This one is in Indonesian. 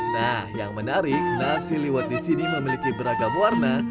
nah yang menarik nasi liwet disini memiliki beragam warna